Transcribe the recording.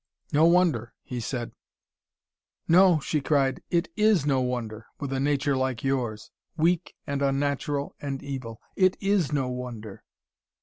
"No wonder," he said. "No," she cried. "It IS no wonder, with a nature like yours: weak and unnatural and evil. It IS no wonder."